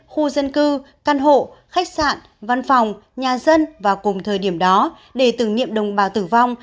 khu dân cư căn hộ khách sạn văn phòng nhà dân vào cùng thời điểm đó để tử nghiệm đồng bào tử vong